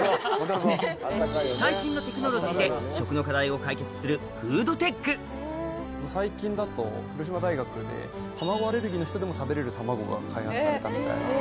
最新のテクノロジーで食の課題を解決するフードテック卵アレルギーの人でも食べれる卵が開発されたみたいな。